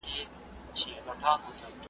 خپل ځان له غوسې وساتئ.